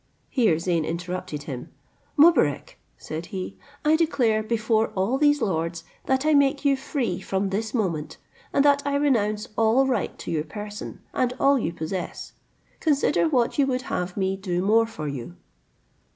Here Zeyn interrupted him: "Mobarec," said he, "I declare, before all these lords, that I make you free from this moment, and that I renounce all right to your person, and all you possess. Consider what you would have me do more for you."